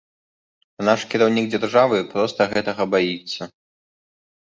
А наш кіраўнік дзяржавы проста гэтага баіцца.